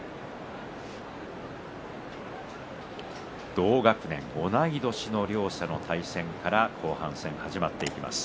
同学年、同い年の両者の対戦から後半戦、始まっていきます。